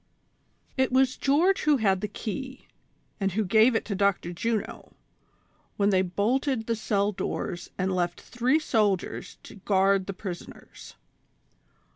T was George who had the key, and who gave it to Dr. Juno, when they bolted the cell doors and left three soldiers to guard the prisoners.